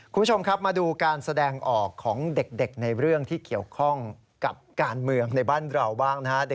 คุณผู้ชมครับมาดูการแสดงออกของเด็กในเรื่องที่เกี่ยวข้องกับการเมืองในบ้านเราบ้างนะฮะ